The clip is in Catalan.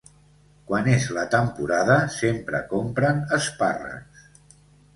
Quan és la temporada sempre compren espàrrecs.